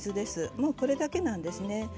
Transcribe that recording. もうこれだけなんですね。